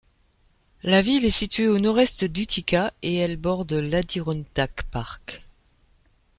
La ville est située au nord-est d'Utica et elle borde l'Adirondack Park.